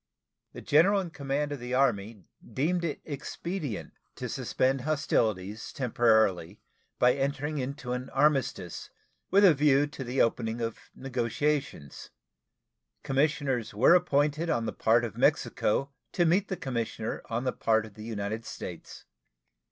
The general in command of the Army deemed it expedient to suspend hostilities temporarily by entering into an armistice with a view to the opening of negotiations. Commissioners were appointed on the part of Mexico to meet the commissioner on the part of the United States.